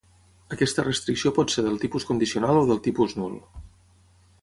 Aquesta restricció pot ser del tipus condicional o del tipus nul.